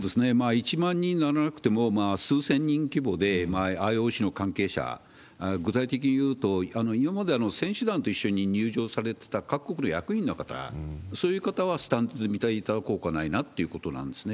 １万人にならなくても、数千人規模でＩＯＣの関係者、具体的に言うと、今まで選手団と一緒に入場されてた各国の役員の方、そういう方はスタンドで見ていただくほかないなということなんですね。